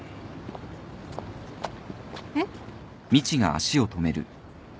えっ？